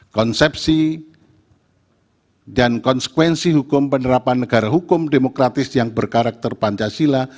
konsepsi dan konsekuensi hukum penerapan negara hukum demokratis yang berkarakter pancasila